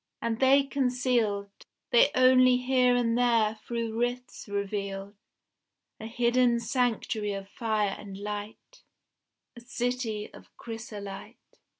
And they concealed They only here and there through rifts revealed A hidden sanctuary of fire and light, A city of chrysolite.